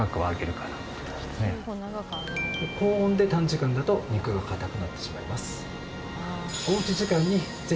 高温で短時間だと肉がかたくなってしまいます。